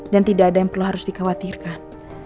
dan tidak ada yang perlu harus dikhawatirkan